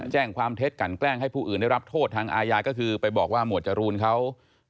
แจ้งความเท็จกันแกล้งให้ผู้อื่นได้รับโทษทางอาญาก็คือไปบอกว่าหมวดจรูนเขา